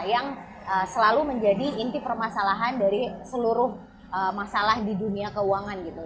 yang selalu menjadi inti permasalahan dari seluruh masalah di dunia keuangan gitu